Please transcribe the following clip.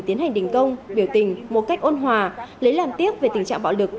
tiến hành đình công biểu tình một cách ôn hòa lấy làm tiếc về tình trạng bạo lực